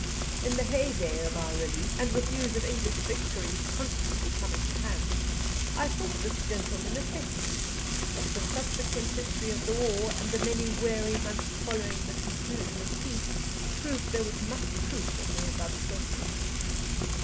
In the heyday of our Relief, and with news of English victories constantly coming to hand, I thought this gentleman a pessimist; but the subsequent history of the war, and the many weary months following the conclusion of peace, proved there was much truth in the above statement.